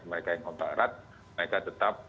mereka yang kontak erat mereka tetap